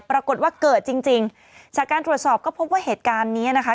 ปรากฏว่าเกิดจริงจริงจากการตรวจสอบก็พบว่าเหตุการณ์นี้นะคะ